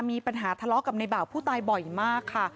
มีปัญหาทะเลาะกับในบ่าวผู้ตายบ่อยมากค่ะ